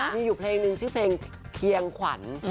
มีอยู่เพลงนึงชื่อเพลงเคียงขวัญ